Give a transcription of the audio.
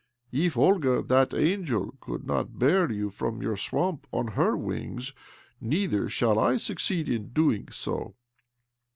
If Olga, that angel, could not bear you from your swamp on her wings, neither shall I succeed in doing so.